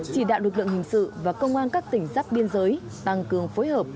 chỉ đạo lực lượng hình sự và công an các tỉnh giáp biên giới tăng cường phối hợp